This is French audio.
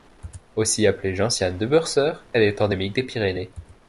Aussi appelée gentiane de Burser, elle est endémique des Pyrénées.